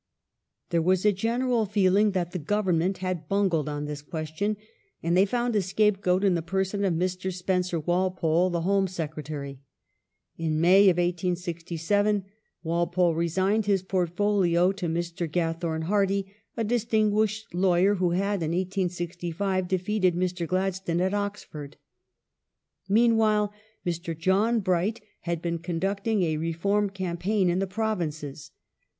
There was a general feeling that the Government had bungled on this question, and they found a scapegoat in the person of Mr. Spencer Walpole, the Home Secretary. In May, 1867, Walpole resigned his portfolio to Mr. Gathorne Hardy, a distinguished lawyer who had, in 1865, de feated Mr. Gladstone at Oxford.^ Meanwhile Mr. John Bright had been conducting a reform campaign in the Provinces.